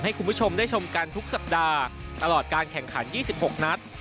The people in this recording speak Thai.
ให้คุณผู้ชมได้ชมกันทุกสัปดาห์ตลอดการแข่งขัน๒๖นัด